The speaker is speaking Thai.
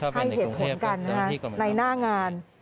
ให้เหตุผลกันในหน้างาน